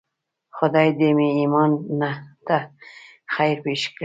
خدای دې مې ایمان ته خیر پېښ کړي.